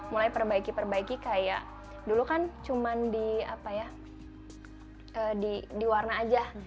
mulai perbaiki perbaiki kayak dulu kan cuma di apa ya di warna aja